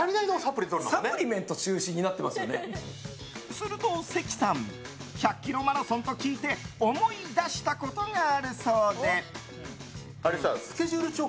すると関さん１００ｋｍマラソンと聞いて思い出したことがあるそうで。